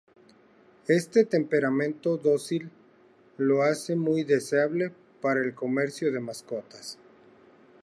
Este temperamento dócil lo hace muy deseable para el comercio de mascotas.